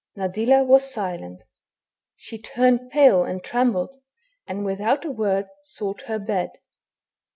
Nadilla was silent ; she turned pale and trembled, and without a word sought her bed.